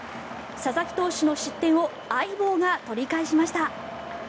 佐々木投手の失点を相棒が取り返しました。